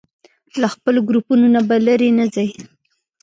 له خپلو ګروپونو نه به لرې نه ځئ.